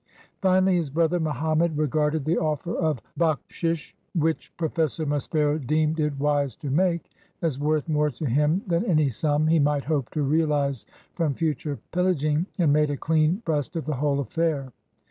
Finally his brother Mohammed regarded the offer of 166 FINDING PHARAOH "bakhshish," which Professor Maspero deemed it wise to make, as worth more to him than any sum he might hope to realize from future pillaging, and made a clean breast of the whole affair.